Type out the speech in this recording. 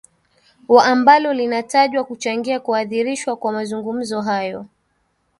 wa ambalo linatajwa kuchangia kuadhirishwa kwa mazungumzo hayo